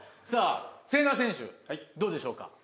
さあ千賀選手どうでしょうか。